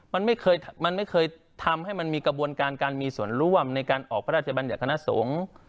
มันไม่เคยมันไม่เคยทำให้มันมีกระบวนการการมีส่วนร่วมในการออกพระราชบัญญัติคณะสงฆ์